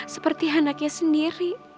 seperti anaknya sendiri